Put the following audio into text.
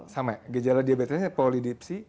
sama gejala diabetesnya polidipsi